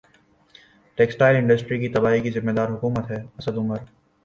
textile industry کی تباہی کی ذمہ دار حکومت ہے اسد عمر